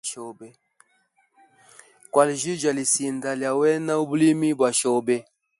Kwaljija lisinda lya wena ubulimi bwa shobe.